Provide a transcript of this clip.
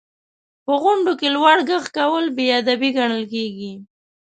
• په غونډو کې لوړ ږغ کول بې ادبي ګڼل کېږي.